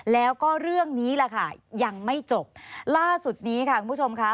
แล้วก็เรื่องนี้แหละค่ะยังไม่จบล่าสุดนี้ค่ะคุณผู้ชมค่ะ